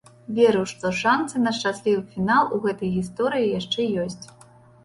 Веру, што шанцы на шчаслівы фінал у гэтай гісторыі яшчэ ёсць.